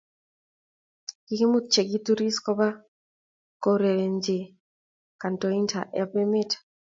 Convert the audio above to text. kikimut che kituris kobak kourerenchi kantointer ab emet